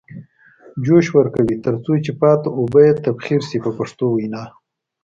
جوش ورکوي تر څو چې پاتې اوبه یې تبخیر شي په پښتو وینا.